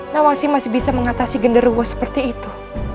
nawangsi masih bisa mengatasi gender gua seperti itu